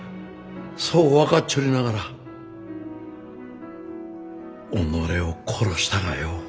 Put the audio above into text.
そう分かっちょりながら己を殺したがよ。